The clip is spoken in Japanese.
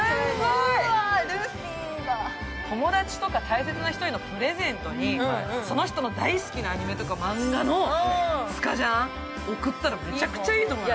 友達とか大切な人へのプレゼントに、その人の大好きな漫画のスカジャン送ったらめちゃくちゃいいと思う。